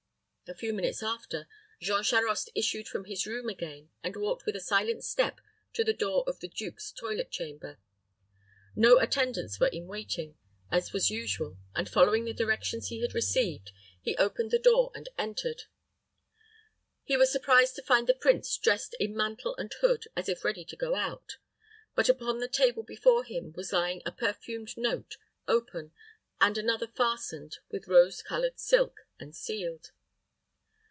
A few minutes after, Jean Charost issued from his room again, and walked with a silent step to the door of the duke's toilet chamber. No attendants were in waiting, as was usual, and following the directions he had received, he opened the door and entered. He was surprised to find the prince dressed in mantle and hood, as if ready to go out; but upon the table before him was lying a perfumed note, open, and another fastened, with rose colored silk, and sealed.